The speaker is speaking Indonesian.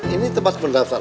ini tempat pendasar